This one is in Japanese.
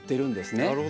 なるほど。